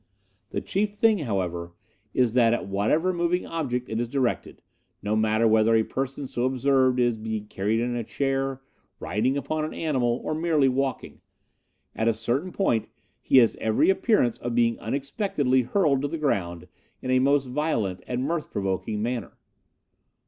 'The chief thing, however, is that at whatever moving object it is directed no matter whether a person so observed is being carried in a chair, riding upon an animal, or merely walking at a certain point he has every appearance of being unexpectedly hurled to the ground in a most violent and mirth provoking manner.